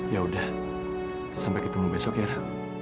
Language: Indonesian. yaudah sampai ketemu besok ya ra